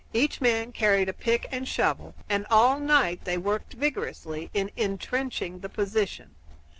Each man carried a pick and shovel, and all night they worked vigorously in intrenching the position.